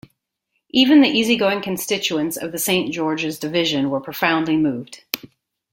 Even the easy-going constituents of the Saint George's division were profoundly moved.